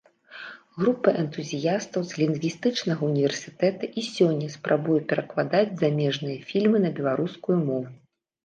Група энтузіястаў з лінгвістычнага ўніверсітэта і сёння спрабуе перакладаць замежныя фільмы на беларускую мову.